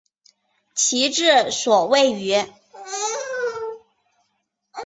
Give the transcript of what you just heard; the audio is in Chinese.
其治所位于。